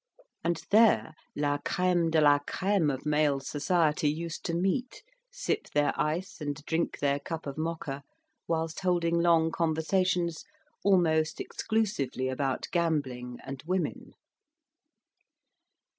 And there la creme de la creme of male society used to meet, sip their ice and drink their cup of mocha, whilst holding long conversations, almost exclusively about gambling and women.